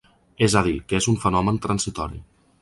És a dir, que és un fenomen transitori.